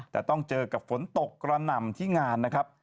แต่ต้องเจอกับฝนตกกระหน่ำที่งานนะครับ